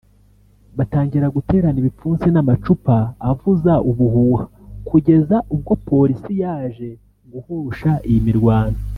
batangira guterana ibipfunsi n’amacupa avuza ubuhuha kugeza ubwo polisi yaje guhosha iyi mirwano